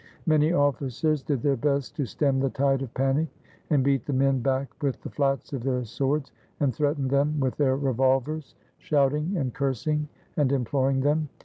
Many officers did their best to stem the tide of panic, and beat the men back with the flats of their swords, and threatened them with their revolvers, shouting, and cursing, and imploring them.